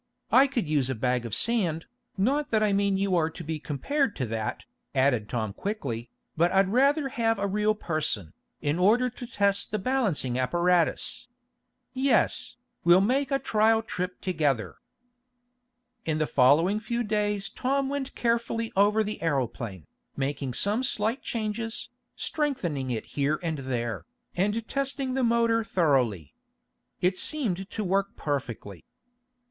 I could use a bag of sand, not that I mean you are to be compared to that," added Tom quickly, "but I'd rather have a real person, in order to test the balancing apparatus. Yes, we'll make a trial trip together." In the following few days Tom went carefully over the aeroplane, making some slight changes, strengthening it here and there, and testing the motor thoroughly. It seemed to work perfectly.